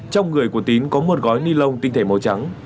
trong người của tín có một gói ni lông tinh thể màu trắng